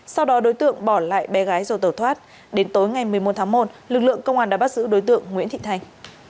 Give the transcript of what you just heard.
sau đó đối tượng bỏ lại bé gái rồi tẩu thoát đến tối ngày một mươi một tháng một lực lượng công an đã bắt giữ đối tượng nguyễn thị thành